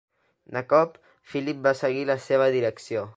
De cop, Philip va seguir la seva direcció.